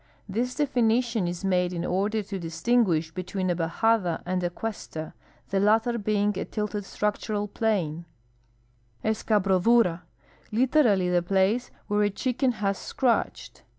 This definition is made in order to distinguish between a bajada and a cuesta, the latter being a tilted structural plain. Eitmbrodura. — Literally the place where a chicken has scratched.